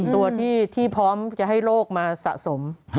ตัวที่พร้อมจะให้โลกมาสะสม